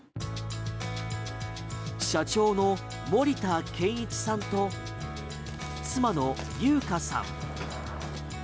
社長の森田賢一さんと妻の友花さん。